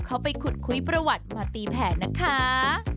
เขาไปขุดคุยประวัติมาตีแผนนะคะ